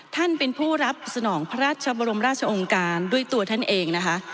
ท่านเป็นผู้รับสนองพระราชบรมราชองค์การด้วยตัวท่านเองนะคะ